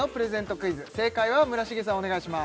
クイズ正解は村重さんお願いします